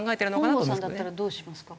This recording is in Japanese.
本郷さんだったらどうしますか？